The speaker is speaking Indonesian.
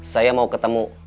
saya mau ketemu